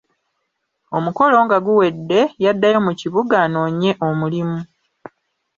Omukolo nga guwedde, yaddayo mu kibuga anoonye omulimu.